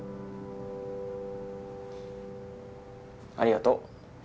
ありがとう。